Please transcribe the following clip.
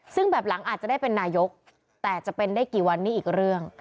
ซึ่งแบบหลังอาจจะได้เป็นนายกแต่จะเป็นได้กี่วันนี้อีกเรื่อง